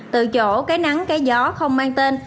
từ chỗ cái nắng cái gió không mang tên